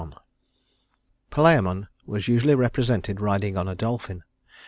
XLI Palæmon was usually represented riding on a dolphin.